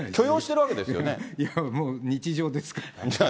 もう日常ですから。